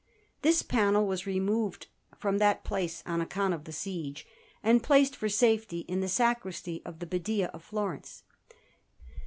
This panel was removed from that place on account of the siege, and placed for safety in the Sacristy of the Badia of Florence.